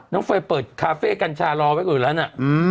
เฟย์เปิดคาเฟ่กัญชารอไว้ก่อนแล้วนะ